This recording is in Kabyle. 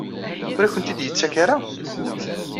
Ur akent-t-id-yettak ara?